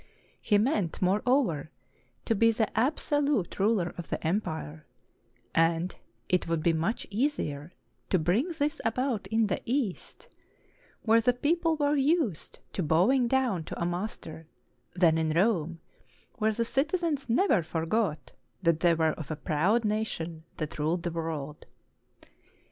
He meant, moreover, to be the absolute ruler of the empire; and it would be much easier to bring this about in the East, where the people were used to bowing down to a master, than in Rome, where the citizens never forgot that they were of the proud nation that ruled the world.